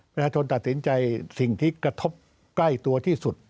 ประชาชนตัดสินใจสิ่งที่กระทบใกล้ตัวที่สุด